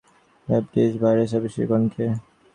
Hepatitis C virus আবিষ্কার করেন কে?